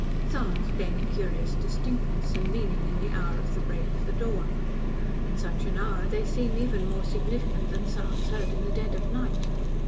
Sounds gain a curious distinctness and meaning in the hour of the break of the dawn; in such an hour they seem even more significant than sounds heard in the dead of night.